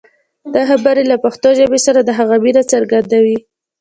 دا خبرې له پښتو ژبې سره د هغه مینه څرګندوي.